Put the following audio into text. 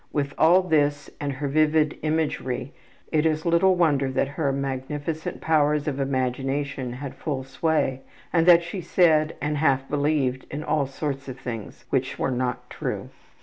With all this and her vivid imagery it is little wonder that her magnificent powers of imagination had full sway and that she said and half believed all sorts of things which were not true.